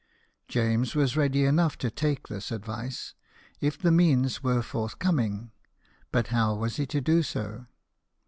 James was ready enough to take this advice, if the means were forthcoming ; but how was he to do so